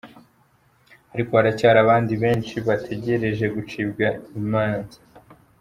Ariko haracyari abandi benshi bategereje gucibwa imanaza.